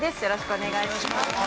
よろしくお願いします。